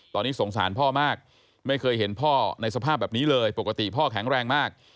ตอนนี้สงสารพ่อมากไม่เคยเห็นพ่อในสภาพแบบนี้เลยปกติพ่อแข็งแรงมาก